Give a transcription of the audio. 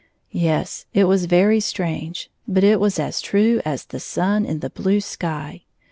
Yes, it was very strange ; but it is as true as the sun in the blue sky.